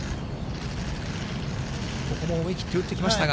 ここも思い切って打ってきましたが。